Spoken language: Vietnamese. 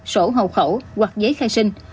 sổ hầu khẩu hoặc giấy khai sinh